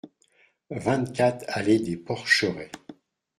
vingt-quatre allée des Porcherets